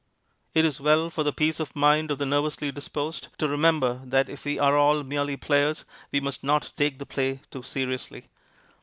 It is well for the peace of mind of the nervously disposed to remember that if we are all merely players, we must not take the play too seriously.